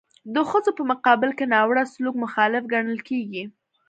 د ښځو په مقابل کې ناوړه سلوک مخالف ګڼل کیږي.